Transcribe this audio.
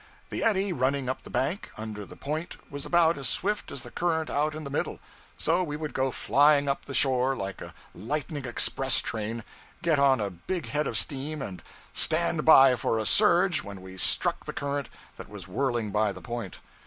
The eddy running up the bank, under the 'point,' was about as swift as the current out in the middle; so we would go flying up the shore like a lightning express train, get on a big head of steam, and 'stand by for a surge' when we struck the current that was whirling by the point.